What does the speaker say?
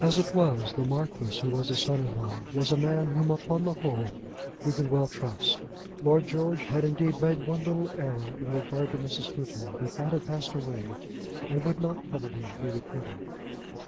As it was, the Marquis, who was his son in law, was a man whom upon the whole he could well trust. Lord George had indeed made one little error in regard to Mrs. Houghton; but that had passed away and would not probably be repeated.